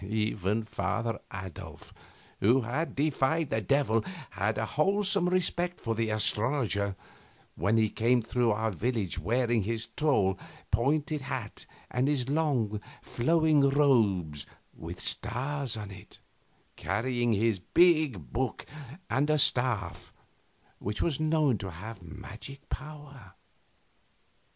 Even Father Adolf, who had defied the Devil, had a wholesome respect for the astrologer when he came through our village wearing his tall, pointed hat and his long, flowing robe with stars on it, carrying his big book, and a staff which was known to have magic power.